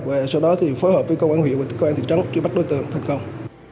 và sau đó thì phối hợp với công an huyện và công an thị trấn truy bắt đối tượng thành công